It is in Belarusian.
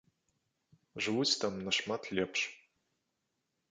Жывуць там нашмат лепш.